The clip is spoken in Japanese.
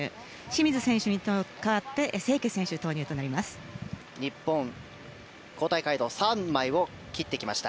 清水選手に代わって清家選手投入です。